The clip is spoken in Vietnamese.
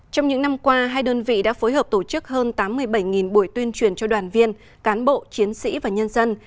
trong những năm qua hai đơn vị đã phối hợp tổ chức hơn tám mươi bảy buổi tuyên truyền cho đoàn viên cán bộ chiến sĩ và nhân dân